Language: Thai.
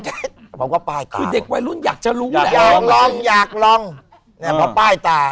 จะผมก็ป้ายตาคุณเด็กวัยรุ่นอยากจะรู้อยากลองอยากลองเนี้ยพอป้ายตา